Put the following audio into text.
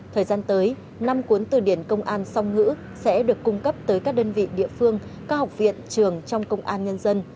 thời gian tới năm cuốn từ điển công an song ngữ sẽ được cung cấp tới các đơn vị địa phương các học viện trường trong công an nhân dân